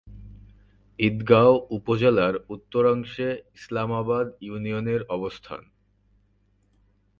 ঈদগাঁও উপজেলার উত্তরাংশে ইসলামাবাদ ইউনিয়নের অবস্থান।